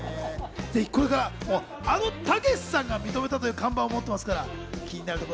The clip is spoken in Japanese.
ぜひこれから、あのたけしさんが認めたという看板を持ってますから、気になるところ。